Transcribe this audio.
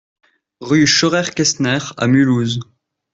Rue Scheurer-Kestner à Mulhouse